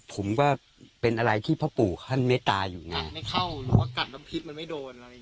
ผมก็เป็นอะไรที่พ่อปู่ท่านเมตตาอยู่ไงไม่เข้าหรือว่ากัดน้ำพิษมันไม่โดนอะไรอย่าง